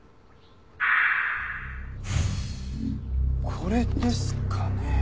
これですかね？